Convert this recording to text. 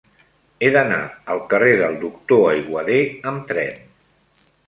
He d'anar al carrer del Doctor Aiguader amb tren.